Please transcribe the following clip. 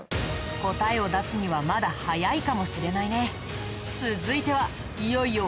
答えを出すにはまだ早いかもしれないね。